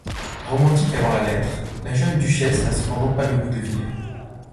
Romantique avant la lettre, la jeune duchesse n'a cependant pas le goût de vivre.